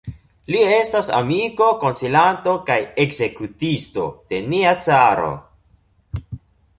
Li estas amiko, konsilanto kaj ekzekutisto de nia caro.